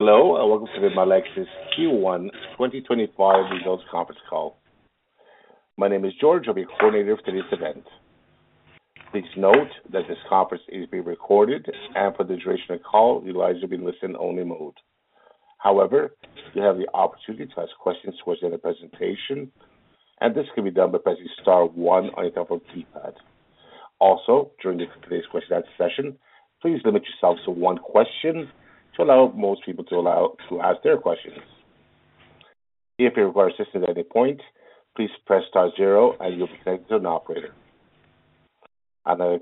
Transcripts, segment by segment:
Hello, and welcome to the Melexis Q1 2025 results conference call. My name is George. I'll be your coordinator for today's event. Please note that this conference is being recorded, and for the duration of the call, you'll either be in listening-only mode. However, you have the opportunity to ask questions towards the end of the presentation, and this can be done by pressing star one on your telephone keypad. Also, during today's question-and-answer session, please limit yourself to one question to allow most people to ask their questions. If you require assistance at any point, please press star zero, and you'll be connected to an operator. I now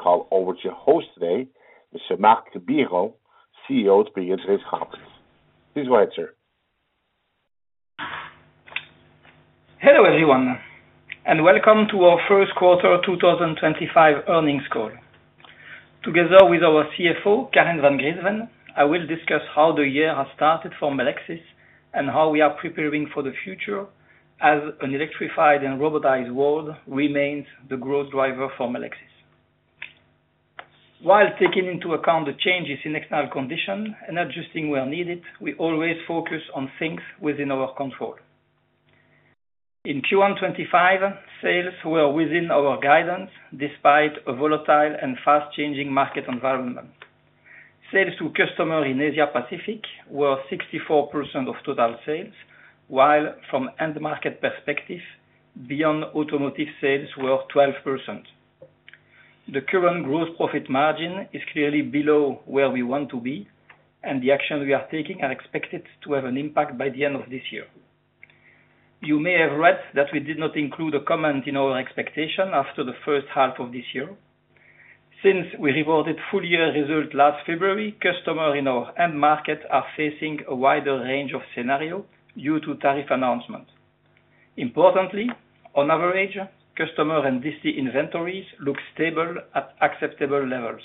call over to your host today, Mr. Marc Biron, CEO, to begin today's conference. Please go ahead, sir. Hello, everyone, and welcome to our first quarter 2025 earnings call. Together with our CFO, Karen Van Griensven, I will discuss how the year has started for Melexis and how we are preparing for the future as an electrified and robotized world remains the growth driver for Melexis. While taking into account the changes in external conditions and adjusting where needed, we always focus on things within our control. In Q1 2025, sales were within our guidance despite a volatile and fast-changing market environment. Sales to customers in Asia-Pacific were 64% of total sales, while, from an end-market perspective, beyond automotive sales were at 12%. The current gross profit margin is clearly below where we want to be, and the actions we are taking are expected to have an impact by the end of this year. You may have read that we did not include a comment in our expectations after the first half of this year. Since we reported full-year results last February, customers in our end market are facing a wider range of scenarios due to tariff announcements. Importantly, on average, customer and distilled inventories look stable at acceptable levels.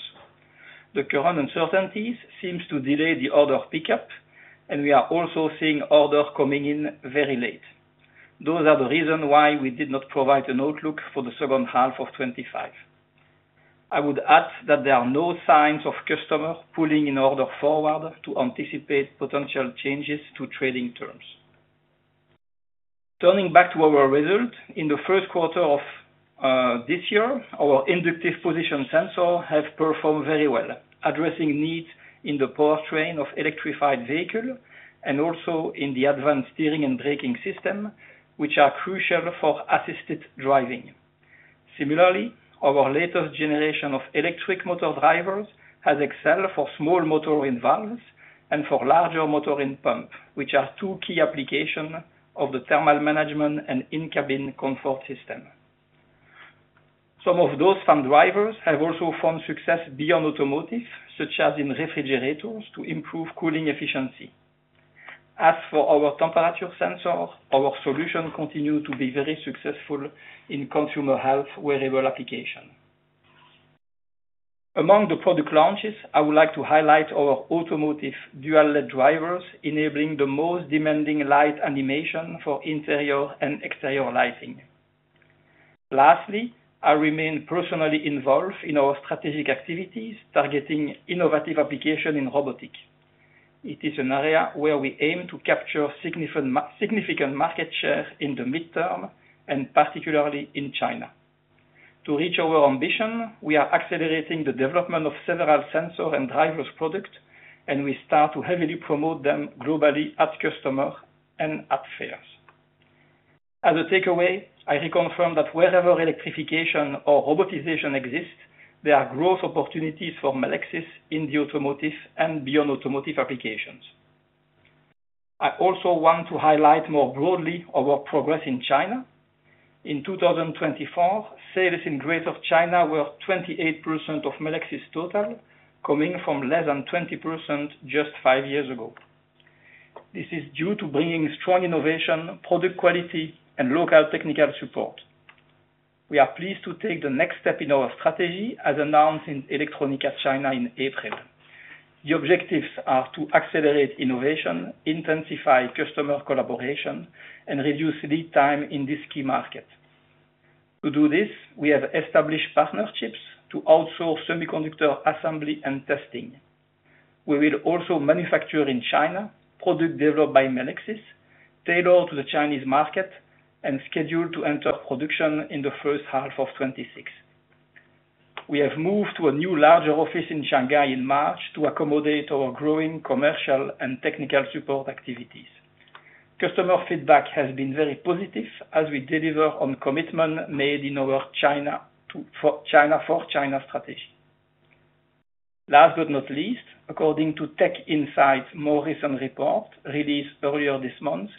The current uncertainties seem to delay the order pickup, and we are also seeing orders coming in very late. Those are the reasons why we did not provide a notebook for the second half of 2025. I would add that there are no signs of customers pulling in orders forward to anticipate potential changes to trading terms. Turning back to our results, in the first quarter of this year, our inductive position sensors have performed very well, addressing needs in the powertrain of electrified vehicles and also in the advanced steering and braking systems, which are crucial for assisted driving. Similarly, our latest generation of electric motor drivers has excelled for small motor in valves and for larger motor in pumps, which are two key applications of the thermal management and in-cabin comfort system. Some of those motor drivers have also found success beyond automotive, such as in refrigerators, to improve cooling efficiency. As for our temperature sensors, our solutions continue to be very successful in consumer health-wearable applications. Among the product launches, I would like to highlight our automotive dual LED drivers, enabling the most demanding light animation for interior and exterior lighting. Lastly, I remain personally involved in our strategic activities targeting innovative applications in robotics. It is an area where we aim to capture significant market share in the midterm, and particularly in China. To reach our ambition, we are accelerating the development of several sensors and drivers products, and we start to heavily promote them globally at customers and at fairs. As a takeaway, I reconfirm that wherever electrification or robotization exists, there are growth opportunities for Melexis in the automotive and beyond automotive applications. I also want to highlight more broadly our progress in China. In 2024, sales in Greater China were 28% of Melexis' total, coming from less than 20% just five years ago. This is due to bringing strong innovation, product quality, and local technical support. We are pleased to take the next step in our strategy as announced in Electronica China in April. The objectives are to accelerate innovation, intensify customer collaboration, and reduce lead time in this key market. To do this, we have established partnerships to outsource semiconductor assembly and testing. We will also manufacture in China products developed by Melexis, tailored to the Chinese market, and scheduled to enter production in the first half of 2026. We have moved to a new larger office in Shanghai in March to accommodate our growing commercial and technical support activities. Customer feedback has been very positive as we deliver on commitment made in our China for China strategy. Last but not least, according to TechInsights more recent report released earlier this month,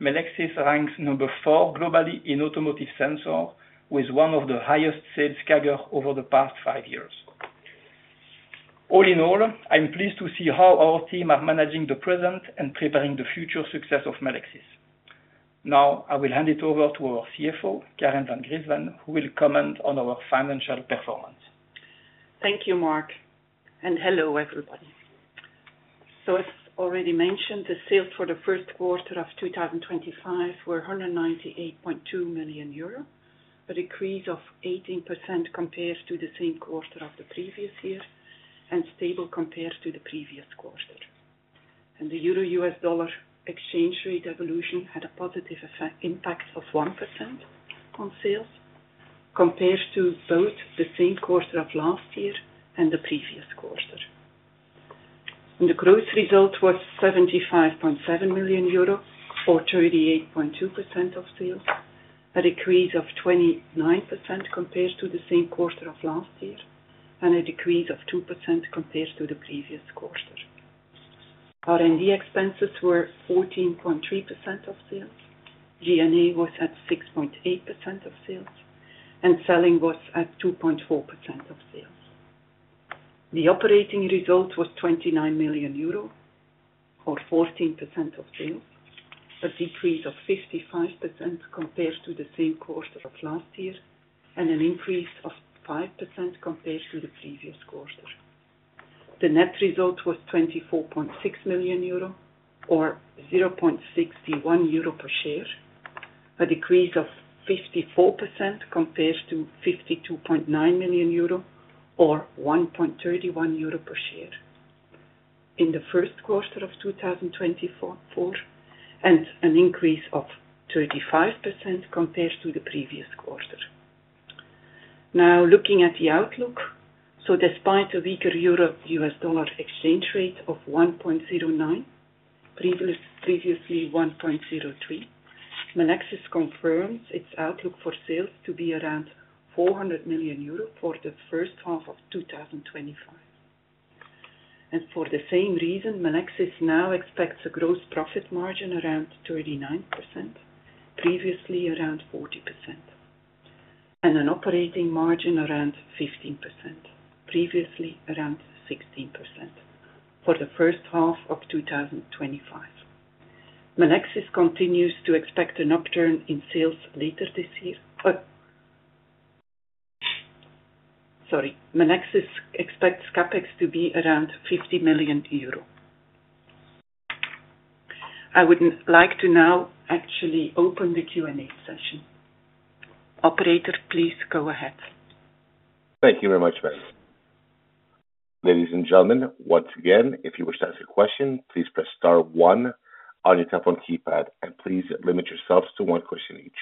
Melexis ranks number four globally in automotive sensors, with one of the highest sales figures over the past five years. All in all, I'm pleased to see how our team is managing the present and preparing the future success of Melexis. Now, I will hand it over to our CFO, Karen Van Griensven, who will comment on our financial performance. Thank you, Marc. Hello, everybody. As already mentioned, the sales for the first quarter of 2025 were 198.2 million euro, a decrease of 18% compared to the same quarter of the previous year and stable compared to the previous quarter. The Euro/US Dollar exchange rate evolution had a positive impact of 1% on sales compared to both the same quarter of last year and the previous quarter. The gross result was 75.7 million euro, or 38.2% of sales, a decrease of 29% compared to the same quarter of last year, and a decrease of 2% compared to the previous quarter. R&D expenses were 14.3% of sales, G&A was at 6.8% of sales, and selling was at 2.4% of sales. The operating result was 29 million euro, or 14% of sales, a decrease of 55% compared to the same quarter of last year, and an increase of 5% compared to the previous quarter. The net result was 24.6 million euro, or 0.61 euro per share, a decrease of 54% compared to 52.9 million euro, or 1.31 euro per share in the first quarter of 2024, and an increase of 35% compared to the previous quarter. Now, looking at the outlook, despite a weaker Euro/US Dollar exchange rate of 1.09, previously 1.03, Melexis confirms its outlook for sales to be around 400 million euro for the first half of 2025. For the same reason, Melexis now expects a gross profit margin around 39%, previously around 40%, and an operating margin around 15%, previously around 16% for the first half of 2025. Melexis continues to expect an upturn in sales later this year. Sorry, Melexis expects CapEx to be around 50 million euro. I would like to now actually open the Q&A session. Operator, please go ahead. Thank you very much, Marc. Ladies and gentlemen, once again, if you wish to ask a question, please press star one on your telephone keypad, and please limit yourselves to one question each.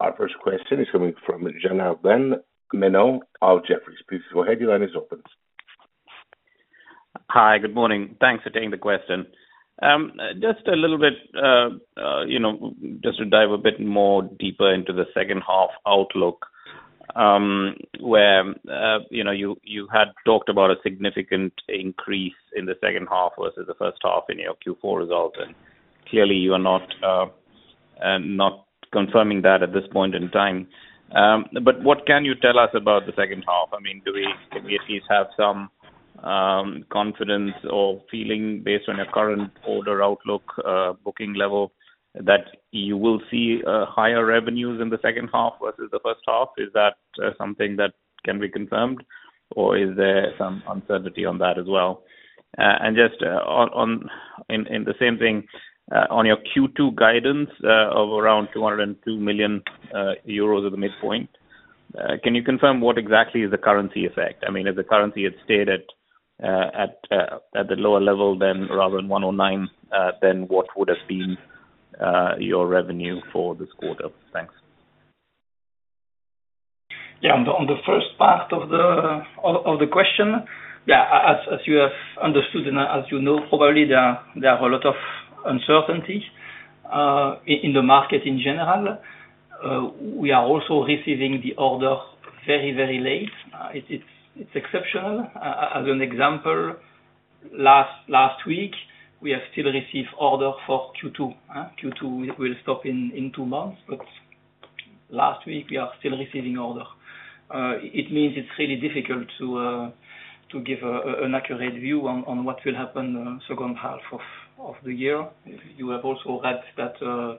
Our first question is coming from Janardan Menon of Jefferies. Please go ahead. Your line is open. Hi, good morning. Thanks for taking the question. Just a little bit, just to dive a bit more deeper into the second half outlook, where you had talked about a significant increase in the second half versus the first half in your Q4 results. Clearly, you are not confirming that at this point in time. What can you tell us about the second half? I mean, can we at least have some confidence or feeling based on your current order outlook, booking level, that you will see higher revenues in the second half versus the first half? Is that something that can be confirmed, or is there some uncertainty on that as well? Just in the same thing, on your Q2 guidance of around 202 million euros at the midpoint, can you confirm what exactly is the currency effect? I mean, if the currency had stayed at the lower level than rather than 1.09, then what would have been your revenue for this quarter? Thanks. Yeah, on the first part of the question, yeah, as you have understood and as you know, probably there are a lot of uncertainties in the market in general. We are also receiving the order very, very late. It's exceptional. As an example, last week, we have still received orders for Q2. Q2 will stop in two months, but last week, we are still receiving orders. It means it's really difficult to give an accurate view on what will happen in the second half of the year. You have also read that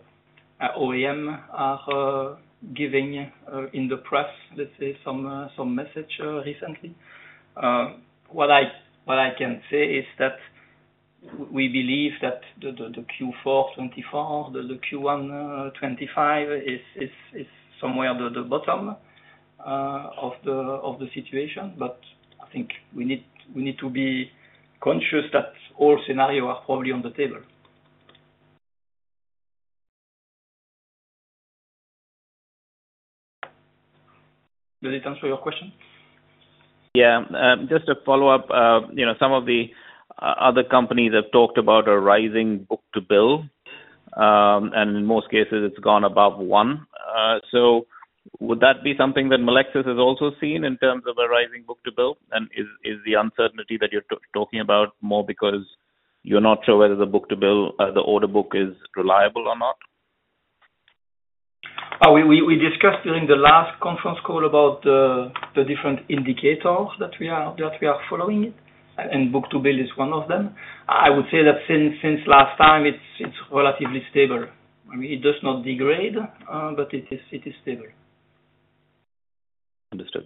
OEMs are giving, in the press, let's say, some message recently. What I can say is that we believe that the Q4 2024, the Q1 2025 is somewhere at the bottom of the situation, but I think we need to be conscious that all scenarios are probably on the table. Does it answer your question? Yeah, just to follow up, some of the other companies have talked about a rising book to bill, and in most cases, it's gone above one. Would that be something that Melexis has also seen in terms of a rising book to bill? Is the uncertainty that you're talking about more because you're not sure whether the book to bill, the order book, is reliable or not? We discussed during the last conference call about the different indicators that we are following, and book to bill is one of them. I would say that since last time, it is relatively stable. I mean, it does not degrade, but it is stable. Understood.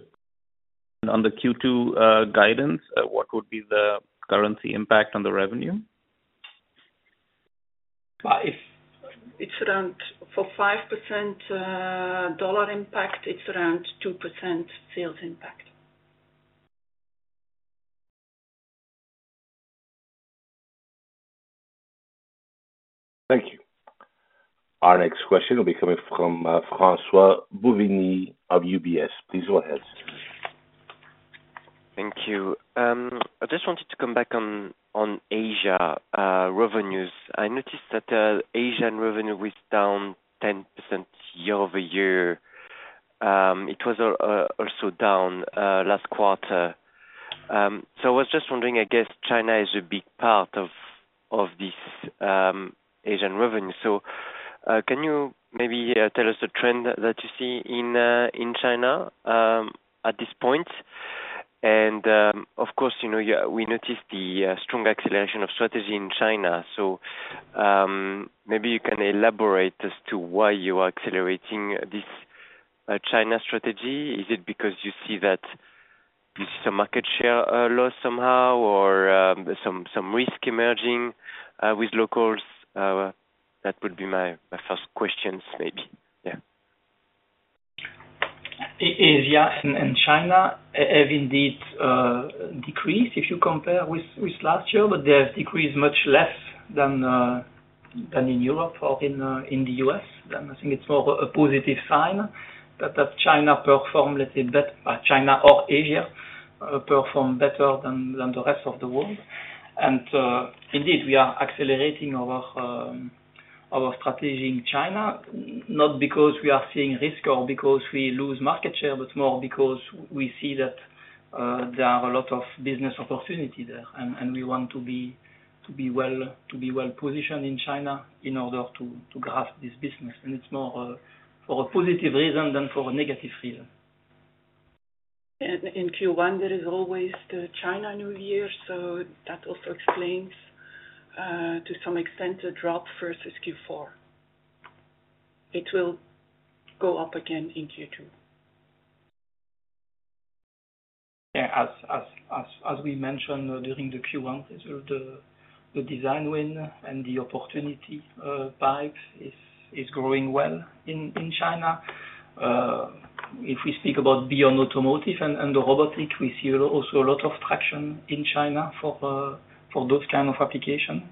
On the Q2 guidance, what would be the currency impact on the revenue? For 5% dollar impact, it's around 2% sales impact. Thank you. Our next question will be coming from François Bouvignies of UBS. Please go ahead. Thank you. I just wanted to come back on Asia revenues. I noticed that Asian revenue was down 10% year over year. It was also down last quarter. I was just wondering, I guess China is a big part of this Asian revenue. Can you maybe tell us the trend that you see in China at this point? Of course, we noticed the strong acceleration of strategy in China. Maybe you can elaborate as to why you are accelerating this China strategy. Is it because you see some market share loss somehow or some risk emerging with locals? That would be my first questions, maybe. Yeah. Asia and China have indeed decreased if you compare with last year, but they have decreased much less than in Europe or in the U.S. I think it's more a positive sign that China performed, let's say, better. China or Asia performed better than the rest of the world. Indeed, we are accelerating our strategy in China, not because we are seeing risk or because we lose market share, but more because we see that there are a lot of business opportunities there. We want to be well positioned in China in order to grasp this business. It is more for a positive reason than for a negative reason. In Q1, there is always the China New Year, so that also explains to some extent the drop versus Q4. It will go up again in Q2. Yeah, as we mentioned during the Q1, the design win and the opportunity pipe is growing well in China. If we speak about beyond automotive and the robotic, we see also a lot of traction in China for those kinds of applications.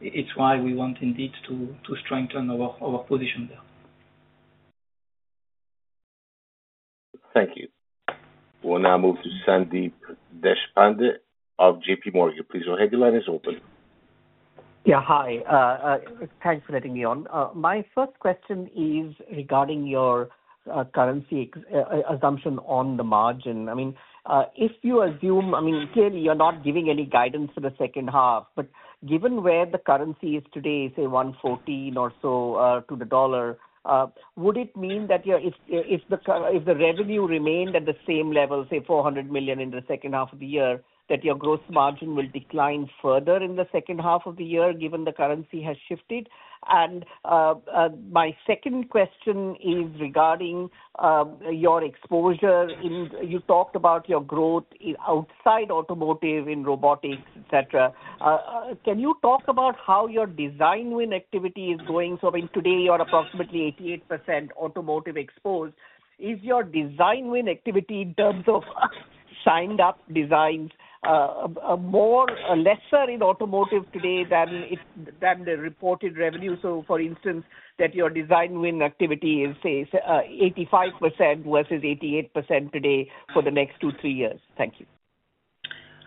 It's why we want indeed to strengthen our position there. Thank you. We'll now move to Sandeep Deshpande of JPMorgan. Please go ahead. Your line is open. Yeah, hi. Thanks for letting me on. My first question is regarding your currency assumption on the margin. I mean, if you assume, I mean, clearly, you're not giving any guidance for the second half, but given where the currency is today, say, 1.14 or so to the dollar, would it mean that if the revenue remained at the same level, say, 400 million in the second half of the year, that your gross margin will decline further in the second half of the year given the currency has shifted? My second question is regarding your exposure. You talked about your growth outside automotive in robotics, etc. Can you talk about how your design win activity is going? I mean, today, you're approximately 88% automotive exposed. Is your design win activity in terms of signed-up designs lesser in automotive today than the reported revenue? For instance, that your design win activity is, say, 85% versus 88% today for the next two, three years. Thank you.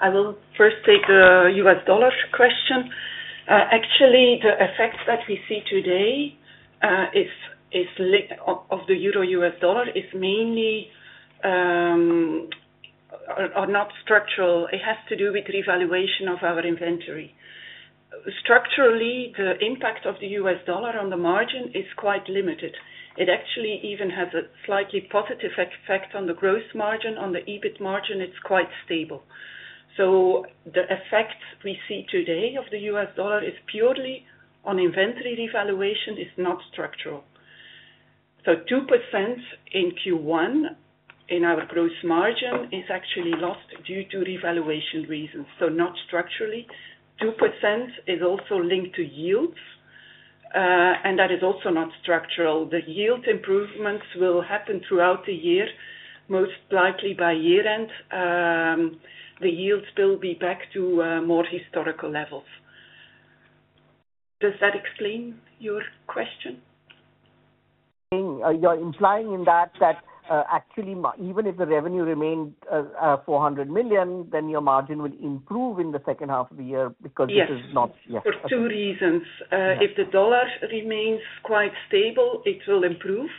I will first take the US Dollar question. Actually, the effect that we see today of the Euro/US Dollar is mainly not structural. It has to do with revaluation of our inventory. Structurally, the impact of the US Dollar on the margin is quite limited. It actually even has a slightly positive effect on the gross margin. On the EBIT margin, it's quite stable. The effect we see today of the US Dollar is purely on inventory revaluation, is not structural. 2% in Q1 in our gross margin is actually lost due to revaluation reasons. Not structurally. 2% is also linked to yields, and that is also not structural. The yield improvements will happen throughout the year, most likely by year-end. The yields will be back to more historical levels. Does that explain your question? You're implying in that that actually, even if the revenue remained 400 million, then your margin would improve in the second half of the year because it is not. Yes, for two reasons. If the dollar remains quite stable, it will improve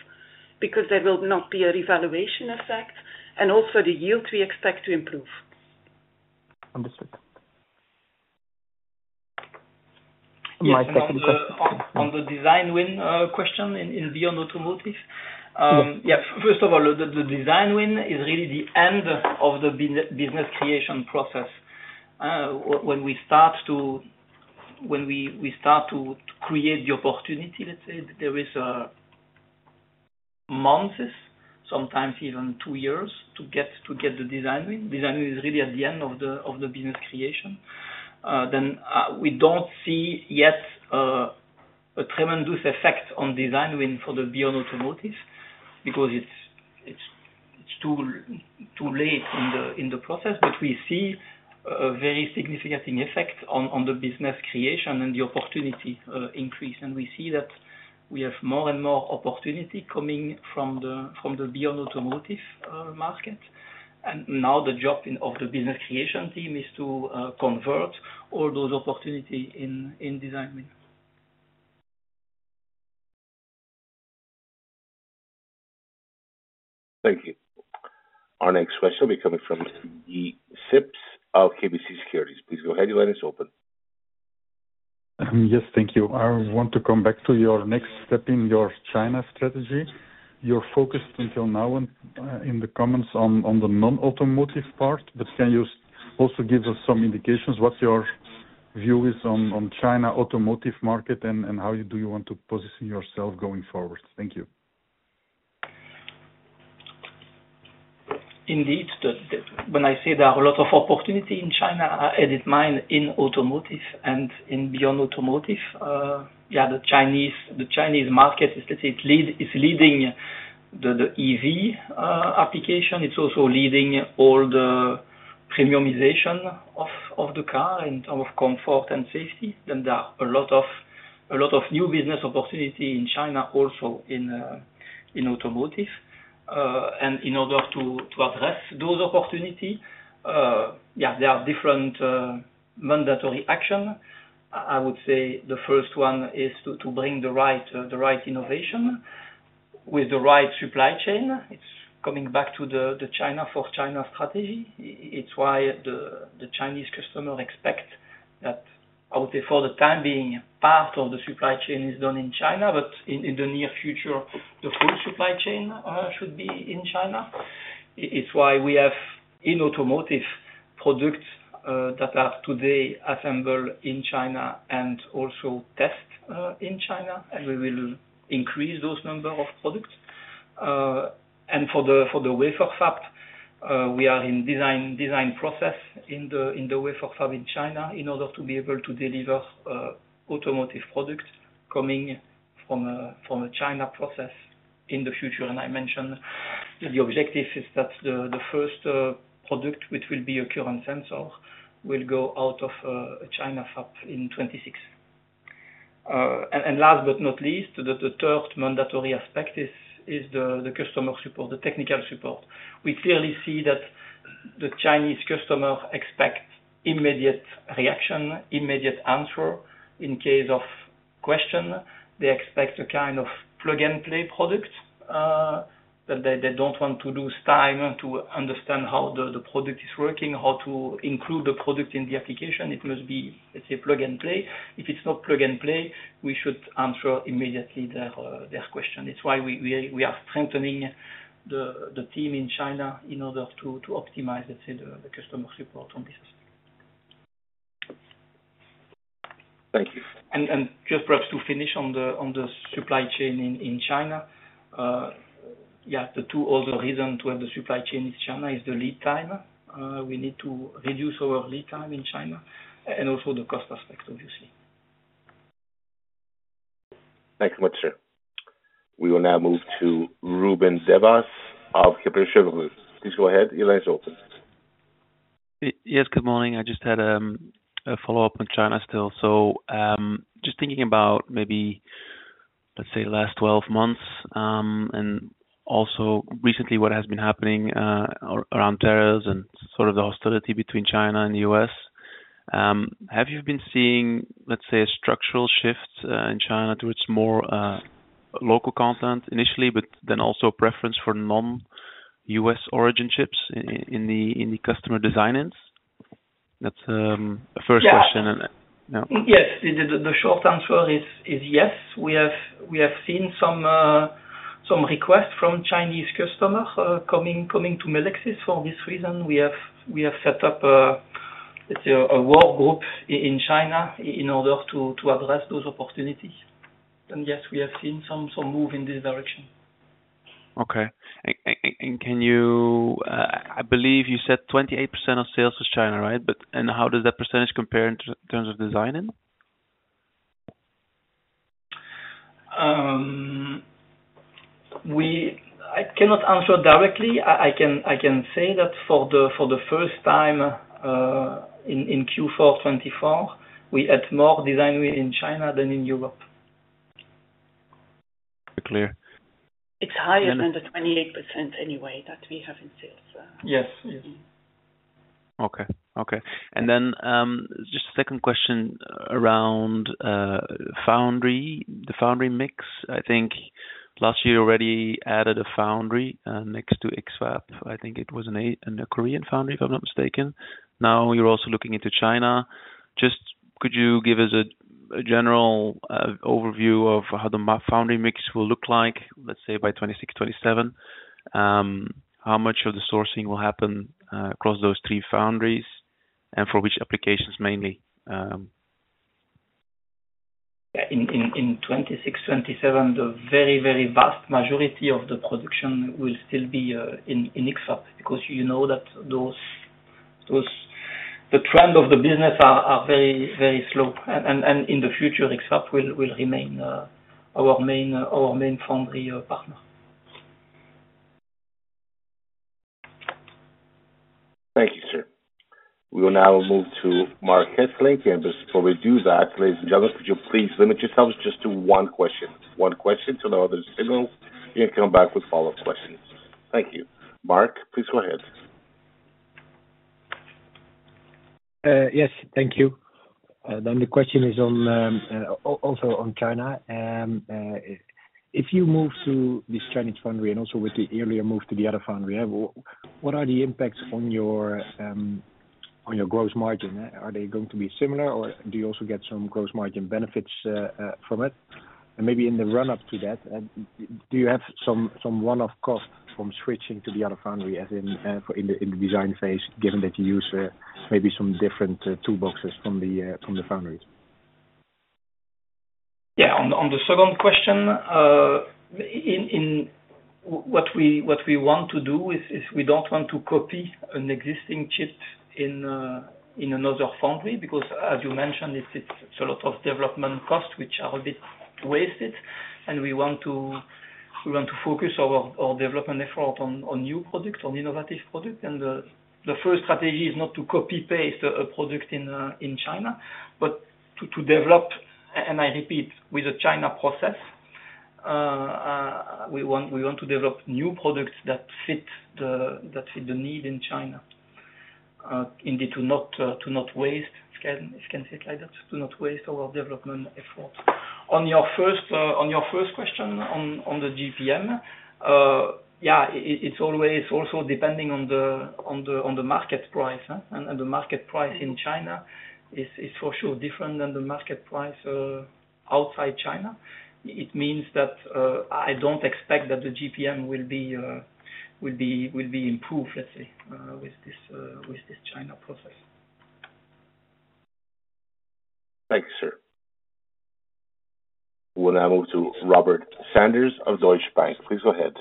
because there will not be a revaluation effect, and also the yields we expect to improve. Understood. On the design win question in beyond automotive, yeah, first of all, the design win is really the end of the business creation process. When we start to create the opportunity, let's say there is months, sometimes even two years, to get the design win. Design win is really at the end of the business creation. We do not see yet a tremendous effect on design win for the beyond automotive because it is too late in the process, but we see a very significant effect on the business creation and the opportunity increase. We see that we have more and more opportunity coming from the beyond automotive market. Now the job of the business creation team is to convert all those opportunities in design win. Thank you. Our next question will be coming from Sips of KBC Securities. Please go ahead. Your line is open. Yes, thank you. I want to come back to your next step in your China strategy. You're focused until now in the comments on the non-automotive part, but can you also give us some indications what your view is on the China automotive market and how do you want to position yourself going forward? Thank you. Indeed, when I say there are a lot of opportunities in China, I didn't mind in automotive and in beyond automotive. Yeah, the Chinese market is leading the EV application. It's also leading all the premiumization of the car in terms of comfort and safety. There are a lot of new business opportunities in China also in automotive. In order to address those opportunities, there are different mandatory actions. I would say the first one is to bring the right innovation with the right supply chain. It's coming back to the China for China strategy. It's why the Chinese customers expect that, I would say, for the time being, part of the supply chain is done in China, but in the near future, the full supply chain should be in China. It's why we have in automotive products that are today assembled in China and also tested in China, and we will increase those numbers of products. For the wafer fab, we are in the design process in the wafer fab in China in order to be able to deliver automotive products coming from a China process in the future. I mentioned the objective is that the first product, which will be a current sensor, will go out of a China fab in 2026. Last but not least, the third mandatory aspect is the customer support, the technical support. We clearly see that the Chinese customers expect immediate reaction, immediate answer in case of question. They expect a kind of plug-and-play product that they don't want to lose time to understand how the product is working, how to include the product in the application. It must be, let's say, plug-and-play. If it's not plug-and-play, we should answer immediately their question. It's why we are strengthening the team in China in order to optimize, let's say, the customer support on this aspect. Thank you. Perhaps to finish on the supply chain in China, yeah, the two other reasons to have the supply chain in China are the lead time. We need to reduce our lead time in China and also the cost aspect, obviously. Thank you very much, sir. We will now move to Ruben Devos of Kepler Cheuvreux. Please go ahead. Your line is open. Yes, good morning. I just had a follow-up on China still. Just thinking about maybe, let's say, the last 12 months and also recently what has been happening around tariffs and sort of the hostility between China and the U.S., have you been seeing, let's say, a structural shift in China towards more local content initially, but then also a preference for non-U.S. origin chips in the customer design ends? That's a first question. Yes. The short answer is yes. We have seen some requests from Chinese customers coming to Melexis for this reason. We have set up, let's say, a work group in China in order to address those opportunities. Yes, we have seen some moves in this direction. Okay. I believe you said 28% of sales was China, right? How does that percentage compare in terms of design end? I cannot answer directly. I can say that for the first time in Q4 2024, we had more design win in China than in Europe. Clear. It's higher than the 28% anyway that we have in sales. Yes. Okay. Okay. Just a second question around foundry, the foundry mix. I think last year you already added a foundry next to XFAB. I think it was a Korean foundry, if I'm not mistaken. Now you're also looking into China. Just could you give us a general overview of how the foundry mix will look like, let's say, by 2026, 2027? How much of the sourcing will happen across those three foundries and for which applications mainly? In 2026, 2027, the very, very vast majority of the production will still be in XFAB because you know that the trend of the business is very, very slow. In the future, XFAB will remain our main foundry partner. Thank you, sir. We will now move to Marc Hesselink. Before we do that, ladies and gentlemen, could you please limit yourselves just to one question? One question till the audience signals. You can come back with follow-up questions. Thank you. Marc, please go ahead. Yes, thank you. The question is also on China. If you move to this Chinese foundry and also with the earlier move to the other foundry, what are the impacts on your gross margin? Are they going to be similar, or do you also get some gross margin benefits from it? Maybe in the run-up to that, do you have some one-off costs from switching to the other foundry, as in in the design phase, given that you use maybe some different toolboxes from the foundries? Yeah. On the second question, what we want to do is we do not want to copy an existing chip in another foundry because, as you mentioned, it is a lot of development costs which are a bit wasted. We want to focus our development effort on new products, on innovative products. The first strategy is not to copy-paste a product in China, but to develop, and I repeat, with a China process. We want to develop new products that fit the need in China, indeed, to not waste, if I can say it like that, to not waste our development efforts. On your first question on the GPM, yeah, it is also depending on the market price. The market price in China is for sure different than the market price outside China. It means that I don't expect that the GPM will be improved, let's say, with this China process. Thank you, sir. We will now move to Robert Sanders of Deutsche Bank. Please go ahead.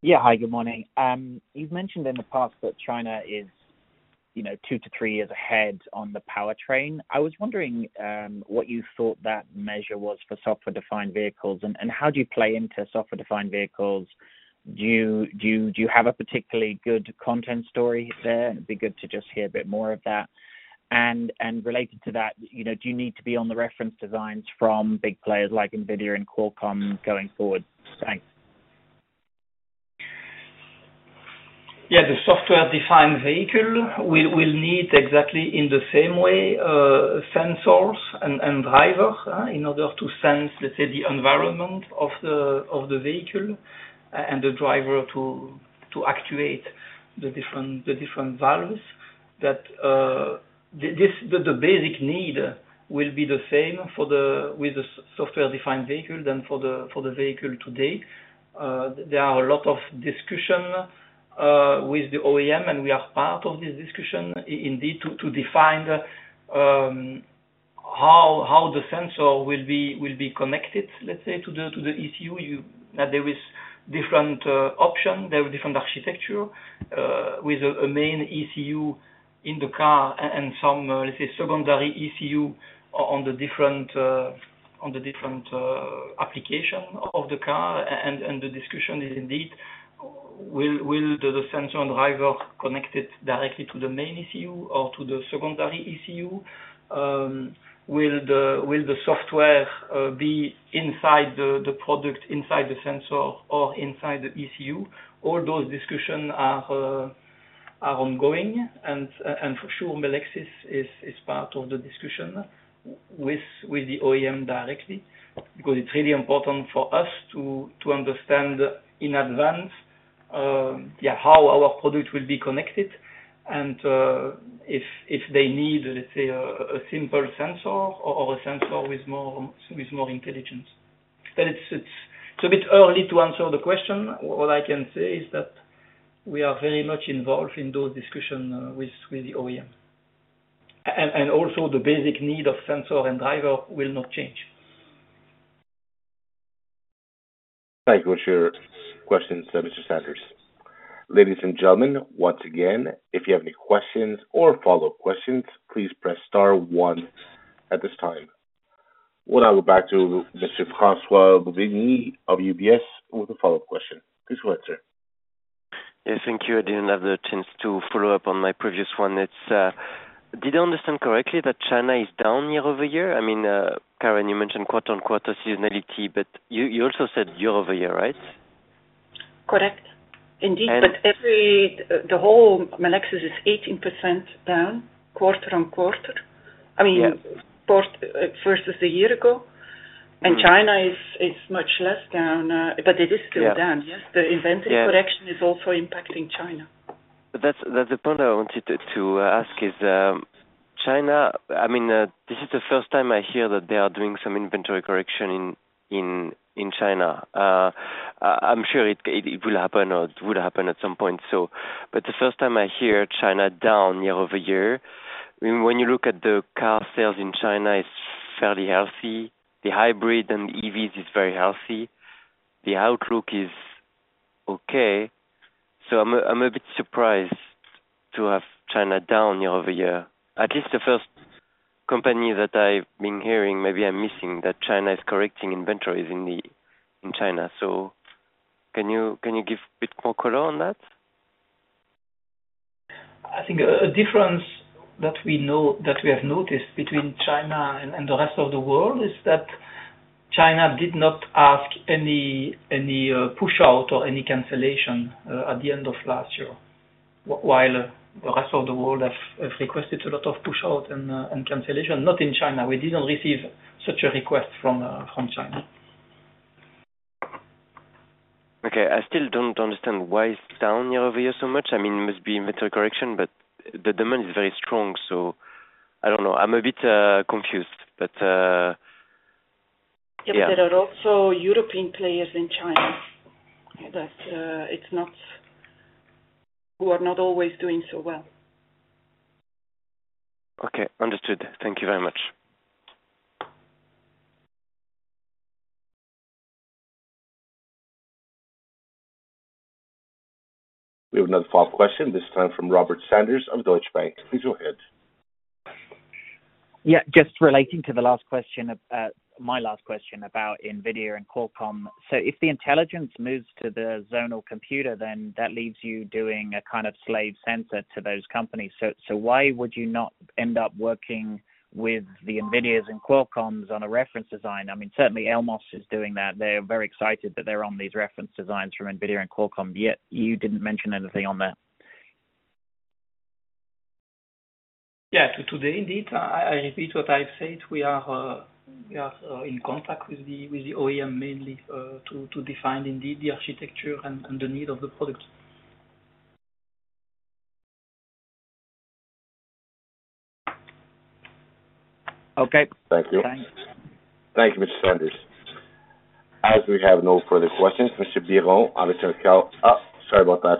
Yeah. Hi, good morning. You've mentioned in the past that China is two to three years ahead on the powertrain. I was wondering what you thought that measure was for software-defined vehicles, and how do you play into software-defined vehicles? Do you have a particularly good content story there? It'd be good to just hear a bit more of that. Related to that, do you need to be on the reference designs from big players like NVIDIA and Qualcomm going forward? Thanks. Yeah. The software-defined vehicle will need exactly in the same way sensors and drivers in order to sense, let's say, the environment of the vehicle and the driver to actuate the different valves. The basic need will be the same with the software-defined vehicle than for the vehicle today. There are a lot of discussions with the OEM, and we are part of this discussion, indeed, to define how the sensor will be connected, let's say, to the ECU. There are different options. There are different architectures with a main ECU in the car and some, let's say, secondary ECU on the different applications of the car. The discussion is, indeed, will the sensor and driver connect directly to the main ECU or to the secondary ECU? Will the software be inside the product, inside the sensor, or inside the ECU? All those discussions are ongoing. For sure, Melexis is part of the discussion with the OEM directly because it's really important for us to understand in advance, yeah, how our product will be connected and if they need, let's say, a simple sensor or a sensor with more intelligence. It's a bit early to answer the question. What I can say is that we are very much involved in those discussions with the OEM. Also, the basic need of sensor and driver will not change. Thank you for your questions, Mr. Sanders. Ladies and gentlemen, once again, if you have any questions or follow-up questions, please press star one at this time. We'll now go back to Mr. François Bouvignies of UBS with a follow-up question. Please go ahead, sir. Yes, thank you. I didn't have the chance to follow up on my previous one. Did I understand correctly that China is down year over year? I mean, Karen, you mentioned quarter-on-quarter seasonality, but you also said year over year, right? Correct. Indeed, but the whole Melexis is 18% down quarter on quarter, I mean, versus a year ago. China is much less down, but it is still down. Yes, the inventory correction is also impacting China. That's the point I wanted to ask. Is China, I mean, this is the first time I hear that they are doing some inventory correction in China. I'm sure it will happen or it will happen at some point. This is the first time I hear China down year over year. When you look at the car sales in China, it's fairly healthy. The hybrid and EVs is very healthy. The outlook is okay. I'm a bit surprised to have China down year over year. At least the first company that I've been hearing, maybe I'm missing, that China is correcting inventories in China. Can you give a bit more color on that? I think a difference that we have noticed between China and the rest of the world is that China did not ask any push-out or any cancellation at the end of last year, while the rest of the world has requested a lot of push-out and cancellation, not in China. We did not receive such a request from China. Okay. I still don't understand why it's down year over year so much. I mean, it must be inventory correction, but the demand is very strong. I don't know. I'm a bit confused. Yes, there are also European players in China that are not always doing so well. Okay. Understood. Thank you very much. We have another follow-up question this time from Robert Sanders of Deutsche Bank. Please go ahead. Yeah. Just relating to the last question, my last question about NVIDIA and Qualcomm. If the intelligence moves to the zonal computer, then that leaves you doing a kind of slave sensor to those companies. Why would you not end up working with the NVIDIAs and Qualcomms on a reference design? I mean, certainly, Elmos is doing that. They're very excited that they're on these reference designs from NVIDIA and Qualcomm, yet you didn't mention anything on that. Yeah. Today, indeed, I repeat what I've said. We are in contact with the OEM mainly to define, indeed, the architecture and the need of the product. Okay. Thank you. Thank you, Mr. Sanders. As we have no further questions, Mr. Biron, I'm going to tell—sorry about that.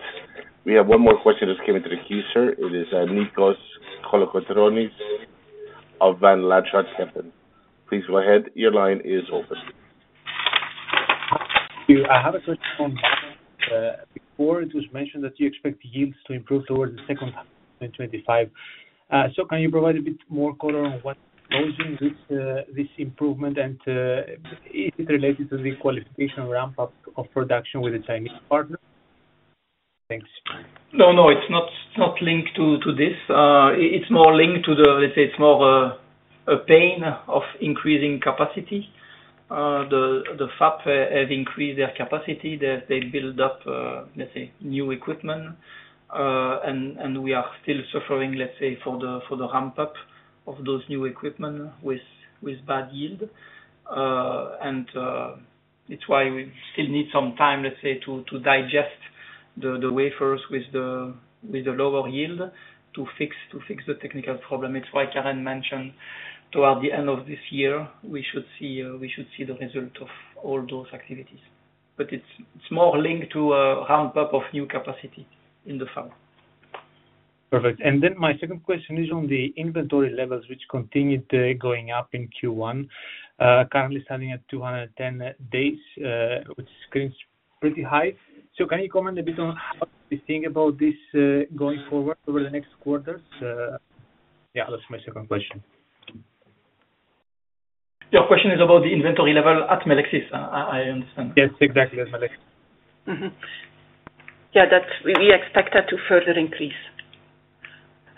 We have one more question just came into the queue, sir. It is Nicos Colocotronis of Van Lanschot Kempen. Please go ahead. Your line is open. I have a question on the backend. Before, it was mentioned that you expect yields to improve towards the second half of 2025. Can you provide a bit more color on what's causing this improvement, and is it related to the qualification ramp-up of production with the Chinese partners? Thanks. No, no. It's not linked to this. It's more linked to the, let's say, it's more a pain of increasing capacity. The fab have increased their capacity. They build up, let's say, new equipment, and we are still suffering, let's say, for the ramp-up of those new equipment with bad yield. It's why we still need some time, let's say, to digest the wafers with the lower yield to fix the technical problem. It's why Karen mentioned toward the end of this year, we should see the result of all those activities. It's more linked to a ramp-up of new capacity in the fab. Perfect. My second question is on the inventory levels, which continued going up in Q1, currently standing at 210 days, which screams pretty high. Can you comment a bit on what you think about this going forward over the next quarters? Yeah, that's my second question. Your question is about the inventory level at Melexis, I understand. Yes, exactly. Yeah, we expect that to further increase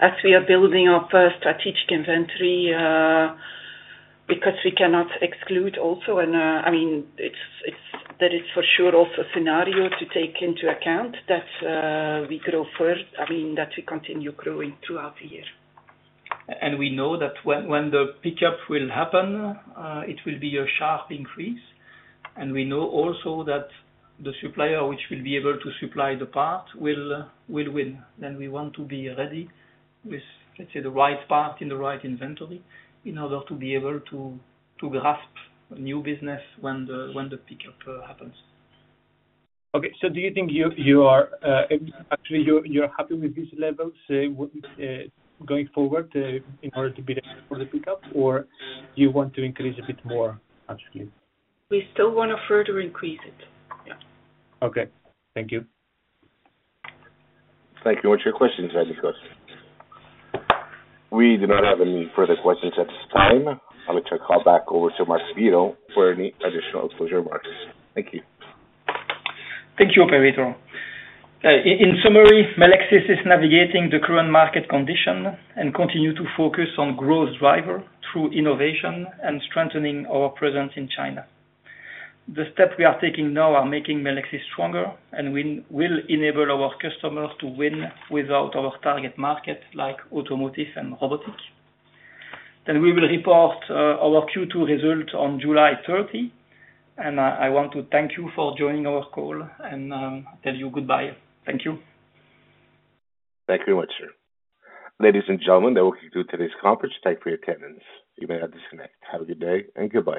as we are building up a strategic inventory because we cannot exclude also. I mean, that is for sure also a scenario to take into account that we grow further, I mean, that we continue growing throughout the year. We know that when the pickup will happen, it will be a sharp increase. We know also that the supplier which will be able to supply the part will win. We want to be ready with, let's say, the right part in the right inventory in order to be able to grasp new business when the pickup happens. Okay. Do you think you are actually, you're happy with these levels going forward in order to be ready for the pickup, or do you want to increase a bit more actually? We still want to further increase it. Yeah. Okay. Thank you. Thank you. What's your question, Nicos? We do not have any further questions at this time. I'm going to call back over to Marc Biron for any additional closure remarks. Thank you. Thank you, Operator. In summary, Melexis is navigating the current market condition and continues to focus on growth drivers through innovation and strengthening our presence in China. The steps we are taking now are making Melexis stronger, and we will enable our customers to win within our target markets like automotive and robotics. We will report our Q2 results on July 30. I want to thank you for joining our call and tell you goodbye. Thank you. Thank you very much, sir. Ladies and gentlemen, that will conclude today's conference. Thank you for your attendance. You may now disconnect. Have a good day and goodbye.